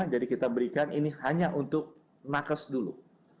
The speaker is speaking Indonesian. jadi kita berikan ini hanya untuk nakas dulu